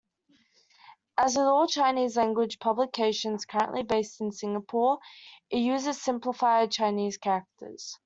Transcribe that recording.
As with all Chinese-language publications currently based in Singapore, it uses simplified Chinese characters.